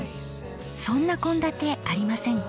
そんな献立ありませんか？